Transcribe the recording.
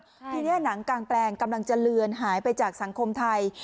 ทีนี้หนังกางแปลงกำลังจะเลือนหายไปจากสังคมไทย